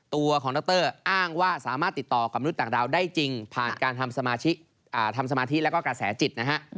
ตัวของดรอ้างว่าสามารถติดต่อกับมนุษย์ต่างดาวได้จริงผ่านการทำสมาธิแล้วก็กระแสจิตนะฮะ